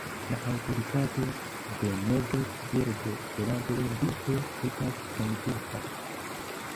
La aŭtoritato de Neves kiel de Esperanto-lingvisto estas senduba.